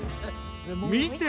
見て！